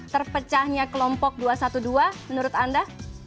terpecahnya kelompok dua ratus dua belas menurut anda